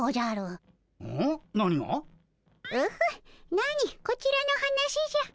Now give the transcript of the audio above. なにこちらの話じゃ。